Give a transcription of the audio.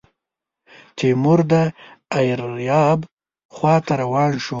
تیمور د ایریاب خواته روان شو.